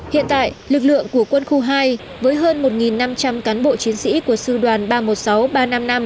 hiện tại lực lượng của quân khu hai với hơn một năm trăm linh cán bộ chiến sĩ của sư đoàn ba trăm một mươi sáu ba trăm năm mươi năm